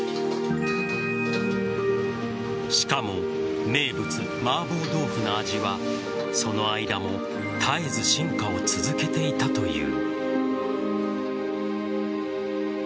しかも名物・麻婆豆腐の味はその間も絶えず進化を続けていたという。